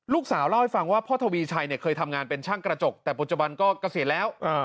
ลูกสาวเล่าให้ฟังว่าพ่อทวีชัยเคยทำงานเป็นช่างกระจกแต่ปัจจุบันก็เกษียณแล้ว